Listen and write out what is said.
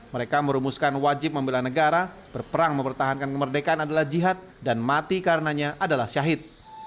mereka merumuskan wajib membela negara berperang mempertahankan kemerdekaan adalah jihad dan mati karenanya adalah syahid